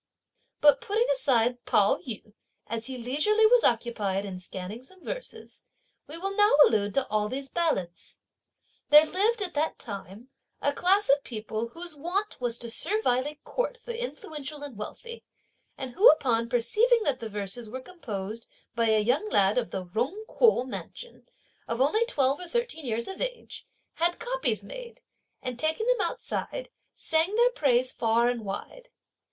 But putting aside Pao yü, as he leisurely was occupied in scanning some verses, we will now allude to all these ballads. There lived, at that time, a class of people, whose wont was to servilely court the influential and wealthy, and who, upon perceiving that the verses were composed by a young lad of the Jung Kuo mansion, of only twelve or thirteen years of age, had copies made, and taking them outside sang their praise far and wide.